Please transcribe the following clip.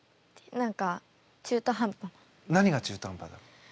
何が中途半端だろう？